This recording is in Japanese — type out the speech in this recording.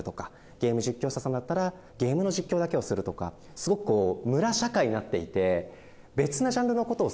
ゲーム実況者さんだったらゲームの実況だけをするとかすごく村社会になっていて。